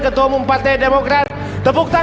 ketua umum partai bulan bintang